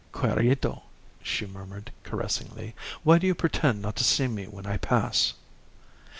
"Querido," she murmured, caressingly, "why do you pretend not to see me when I pass?"